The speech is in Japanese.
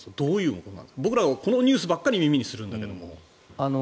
僕ら、このニュースばかり耳にするんだけど。